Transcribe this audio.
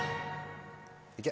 いけ！